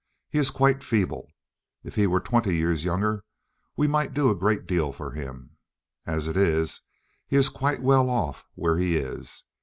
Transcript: He is quite feeble. If he were twenty years younger we might do a great deal for him. As it is he is quite well off where he is.